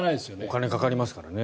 お金がかかりますからね。